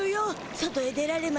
外へ出られま